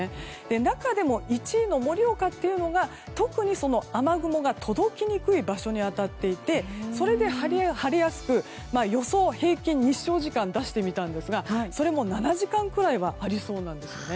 中でも１位の盛岡っていうのが特に、雨雲が届きにくい場所に当たっていてそれで晴れやすく予想平均日照時間も出してみたんですがそれも７時間くらいはありそうなんですね。